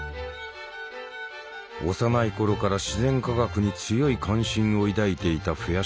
幼い頃から自然科学に強い関心を抱いていたフェア